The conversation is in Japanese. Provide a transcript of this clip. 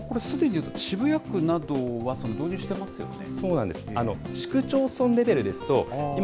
これ、すでに渋谷区などは導入してますよね。